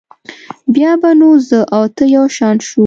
بیا به نو زه او ته یو شان شو.